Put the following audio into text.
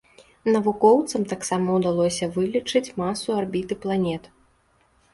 Навукоўцам таксама ўдалося вылічыць масу арбіты планет.